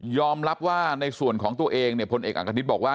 ยอมรับว่าในส่วนของตัวเองพลเอกอักษณิษฐ์บอกว่า